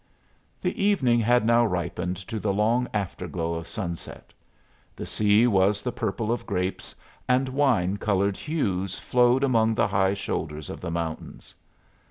The evening had now ripened to the long after glow of sunset. The sea was the purple of grapes, and wine colored hues flowed among the high shoulders of the mountains.